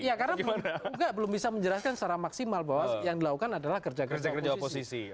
ya karena belum bisa menjelaskan secara maksimal bahwa yang dilakukan adalah kerja kerja oposisi